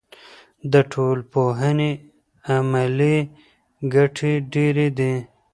د ټولنپوهنې عملي ګټې ډېرې دي.